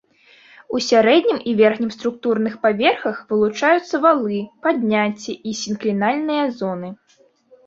У сярэднім і верхнім структурных паверхах вылучаюцца валы, падняцці і сінклінальныя зоны.